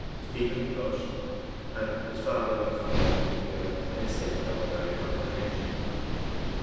Stephen blushed; and his father looked from one to the other in a state of utter incomprehension.